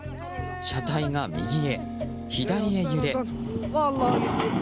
車体が右へ左へ揺れ。